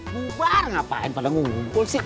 bubar ngapain pada ngumpul sih